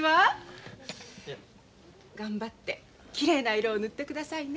頑張ってきれいな色を塗って下さいね。